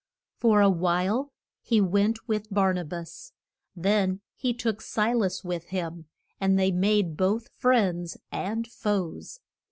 For a while he went with Bar na bas. Then he took Si las with him, and they made both friends and foes.